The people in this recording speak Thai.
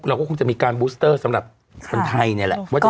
เราก็คงจะมีการบูสเตอร์สำหรับคนไทยเนี่ยแหละว่า